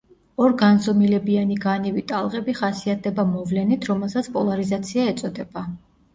ორგანზომილებიანი განივი ტალღები ხასიათდება მოვლენით, რომელსაც პოლარიზაცია ეწოდება.